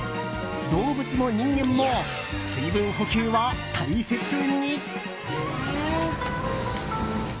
動物も人間も水分補給は大切に！